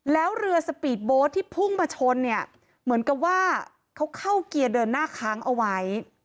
แล้วเรือสปีดโบ๊ทที่พุ่งมาชนเนี่ยเหมือนกับว่าเขาเข้าเกียร์เดินหน้าค้างเอาไว้